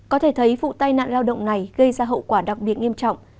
có thể thấy vụ tai nạn lao động này gây ra hậu quả đặc biệt nghiêm trọng